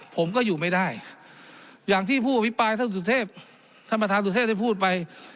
ผมก็อยู่ไม่ได้อย่างที่ผู้วิปรายธรรมฐานสุทธเทพได้พูดไป